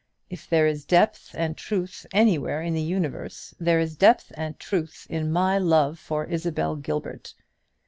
If there is depth and truth anywhere in the universe, there is depth and truth in my love for Isabel Gilbert.